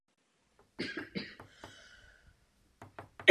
Jako chlapec žil na předměstí Tokia a mezi jeho záliby patřilo sbírání hmyzu.